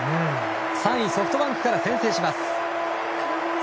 ３位、ソフトバンクから先制します。